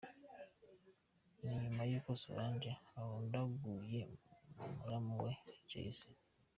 Ni nyuma y’uko Solange ahondaguye muramu we Jay-Z.